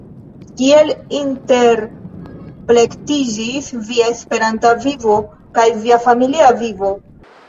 Kiel interplektiĝis via Esperanta vivo kaj via familia vivo?